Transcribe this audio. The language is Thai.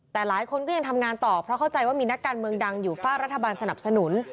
แต่หลายคนก็ยังทำงานต่อเพราะเข้าใจว่ามีนักการเมืองดังอยู่ฝ้ารัฐบาลสนับสนุน